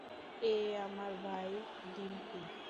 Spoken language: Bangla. এ আমার ভাই, ডিম্পি।